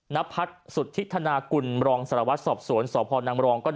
นัพพัฒน์สุทธิษฐานาคุณมรองสารวัสสอบสวนสพนางมรอง